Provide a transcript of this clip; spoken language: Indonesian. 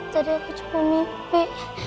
tadi aku cuman mimpi